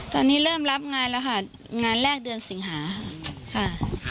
ตอนนี้เริ่มรับงานแล้วค่ะงานแรกเดือนสิงหาค่ะ